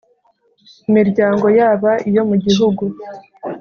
Imiryango yaba iyo mu gihugu